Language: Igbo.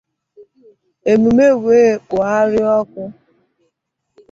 emume wee kpòghara ọkụ.